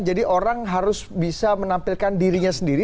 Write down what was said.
jadi orang harus bisa menampilkan dirinya sendiri